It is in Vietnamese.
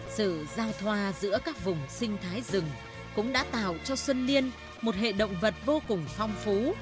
sự giao thoa giữa các vùng sinh thái rừng cũng đã tạo cho xuân liên một hệ động vật vô cùng phong phú